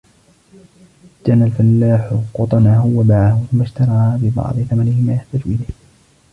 جَنَى الْفَلاَحُ قُطْنَهُ وَبَاعَهُ ثُمَّ اِشْتَرَىَ بِبَعْضِ ثَمَنِهِ مَا يَحْتَاجُ إِلَيْهِ.